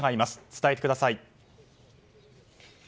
伝えてください。